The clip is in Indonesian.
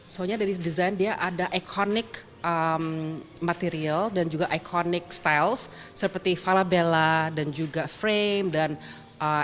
soalnya dari desain dia ada ikonik material dan juga ikonik styles seperti falabella dan juga frame